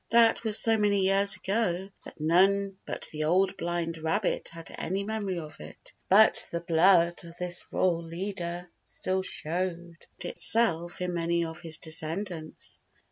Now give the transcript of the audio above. That was so many years ago that none but the Old Blind Rabbit had any memory of it. But the blood of this royal leader still showed itself in many of his descendants.